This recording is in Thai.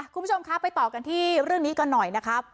คุณผู้ชมคะไปต่อกันที่เรื่องนี้กันหน่อยนะครับ